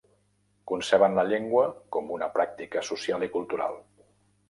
Conceben la llengua com una pràctica social i cultural.